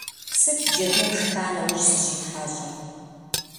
Сыт джэдум шха нэужь зыщӀитхьэщӀыр?